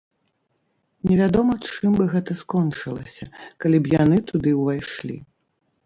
Невядома чым бы гэта скончылася, калі б яны туды ўвайшлі.